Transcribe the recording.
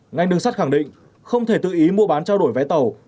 ngành nội sát khẳng định không thể tự ý mua bán trao đổi vé tẩu